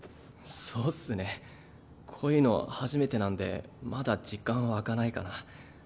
そうっすねこういうの初めてなんでまだ実感湧かないかな。